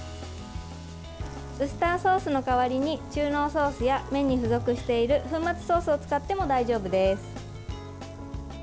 ウスターソースの代わりに中濃ソースや麺に付属している粉末ソースを使っても大丈夫です。